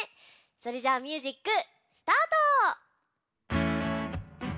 それじゃあミュージックスタート！